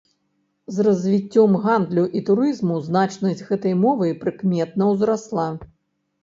З развіццём гандлю і турызму значнасць гэтай мовы прыкметна ўзрасла.